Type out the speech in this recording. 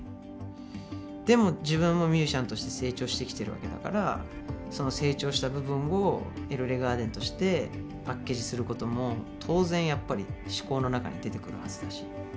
でも自分もミュージシャンとして成長してきてるわけだからその成長した部分をＥＬＬＥＧＡＲＤＥＮとしてパッケージすることも当然やっぱり思考の中に出てくるはずだし。